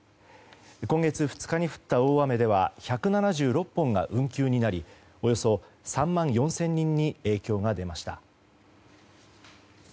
今月２日に降った大雨では１７６本が運休になりおよそ３万４０００人に影響が出ました。